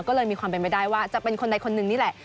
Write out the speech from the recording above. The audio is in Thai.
ก็เลยมีความเป็นไม่ได้ว่าจะเป็นคนใดคนหนึ่งนี่แหละ